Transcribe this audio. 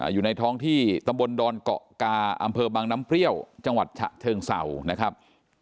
อยู่ในท้องที่ตำบลดอนเกาะกาอำเภอบังน้ำเปรี้ยวจังหวัดฉะเชิงเศร้านะครับ